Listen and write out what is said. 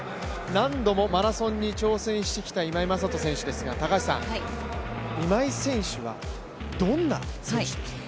何度もマラソンに挑戦してきた今井正人選手ですが、今井選手はどんな選手ですか？